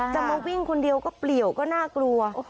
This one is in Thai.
จะมาวิ่งคนเดียวก็เปลี่ยวก็น่ากลัว